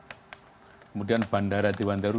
kemudian bandara tiwantara